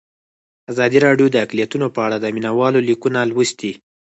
ازادي راډیو د اقلیتونه په اړه د مینه والو لیکونه لوستي.